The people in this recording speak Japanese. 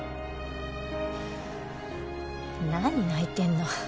何泣いてるの？